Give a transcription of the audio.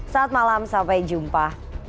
selamat malam sampai jumpa